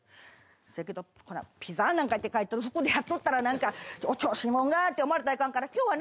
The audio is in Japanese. せやけどほら「ＰｉＺＺＡ」なんか書いてる服でやっとったら何かお調子もんが！って思われたらいかんから今日はね